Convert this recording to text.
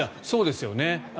そうですよね。